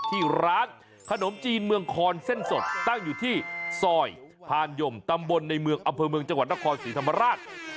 ที่ร้านขนมจีนเมืองคอนเส้นสดตั้งอยู่ที่ซอยพานยมตำบลในเมืองอำเภอเมืองจังหวัดนครศรีธรรมราช